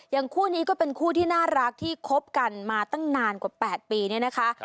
คู่นี้ก็เป็นคู่ที่น่ารักที่คบกันมาตั้งนานกว่า๘ปีเนี่ยนะคะ